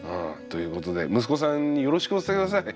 ということで息子さんによろしくお伝え下さい。